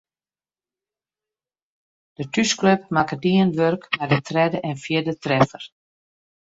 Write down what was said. De thúsklup makke dien wurk mei de tredde en fjirde treffer.